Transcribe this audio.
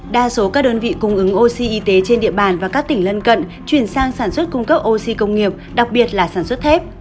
đa số các đơn vị cung ứng oxy y tế trên địa bàn và các tỉnh lân cận chuyển sang sản xuất cung cấp oxy công nghiệp đặc biệt là sản xuất thép